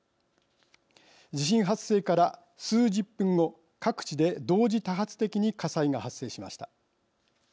地震発生から数十分後各地で同時多発的に火災が発生しました。